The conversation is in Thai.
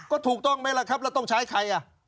ก็ถูกต้องไหมล่ะครับแล้วต้องใช้ใคร